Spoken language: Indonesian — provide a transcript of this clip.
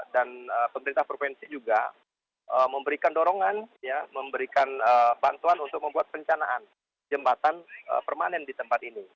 dan pemerintah provinsi juga memberikan dorongan memberikan bantuan untuk membuat rencanaan jembatan permanen di tempat ini